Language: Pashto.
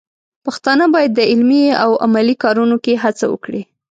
پښتانه بايد د علمي او عملي کارونو کې هڅه وکړي.